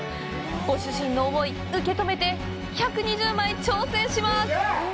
ご主人の思い、受け止めて１２０枚挑戦します！